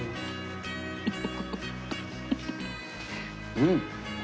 うん。